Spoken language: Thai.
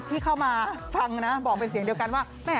ที่เข้ามาฟังนะบอกเป็นเสียงเดียวกันว่าแม่